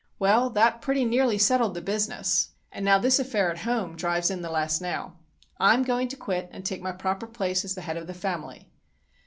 Well, that pretty nearly settled the business, and now this affair at home drives in the last nail. I'm going to quit, and take my proper place as the head of the family."